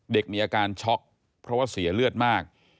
เด็กมีอาการช็อคเลือดเพราะเสียเลือดมาก